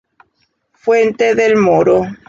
Fuente del Moro